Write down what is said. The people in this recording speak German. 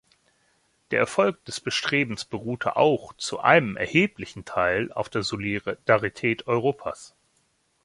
Der Erfolg des Bestrebens beruhte auch zu einem erheblichen Teil auf der Solidarität Europas.